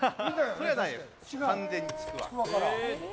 完全にちくわです。